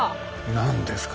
何ですか？